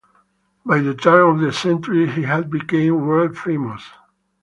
By the turn of the century, he had become world-famous.